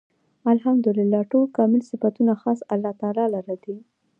الحمد لله . ټول کامل صفتونه خاص الله تعالی لره دی